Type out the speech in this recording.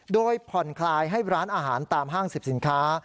โดยผ่อนคลายให้ร้านอาหารตามห้างสิบสินค้า